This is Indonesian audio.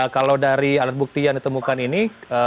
kalau dari alat bukti yang ditemukan ini